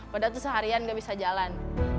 padahal tuh seharian nggak bisa jalan